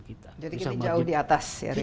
kita jadi kita jauh di atas ya